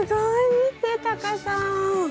見てタカさん。